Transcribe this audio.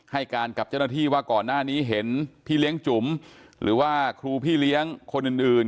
ให้การกับเจ้าหน้าที่ว่าก่อนหน้านี้เห็นพี่เลี้ยงจุ๋มหรือว่าครูพี่เลี้ยงคนอื่น